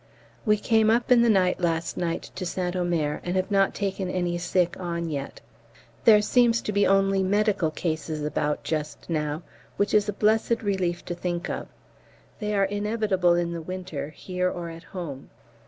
We came up in the night last night to St Omer, and have not taken any sick on yet. There seems to be only medical cases about just now, which is a blessed relief to think of. They are inevitable in the winter, here or at home.